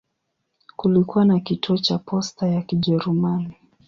Kulikuwa na kituo cha posta ya Kijerumani.